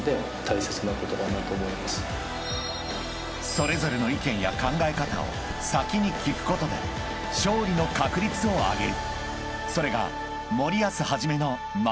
［それぞれの意見や考え方を先に聞くことで勝利の確率を上げる］